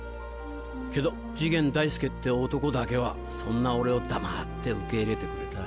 けど次元大介って男だけはそんな俺を黙って受け入れてくれた。